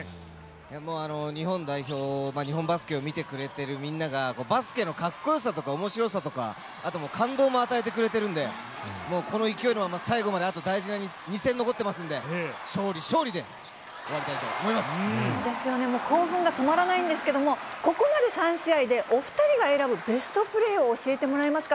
もう日本代表、日本バスケを見てくれてるみんなが、バスケのかっこよさとか、おもしろさとか、あと、感動も与えてくれているんで、もう、この勢いのまま、最後まであと大事な２戦残ってますんで、そうですよね、もう興奮が止まらないんですけれども、ここまで３試合で、お２人が選ぶベストプレーを教えてもらえますか？